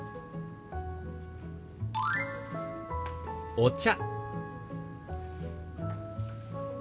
「お茶」。